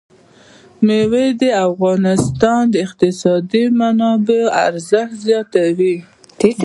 مېوې د افغانستان د اقتصادي منابعو ارزښت زیاتوي.